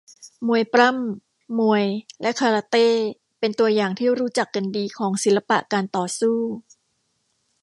มวยปล้ำ มวยและคาราเต้เป็นตัวอย่างที่รู้จักกันดีของศิลปะการต่อสู้